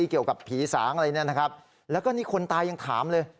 เกี่ยวกับผีสางอะไรเนี่ยนะครับแล้วก็นี่คนตายยังถามเลย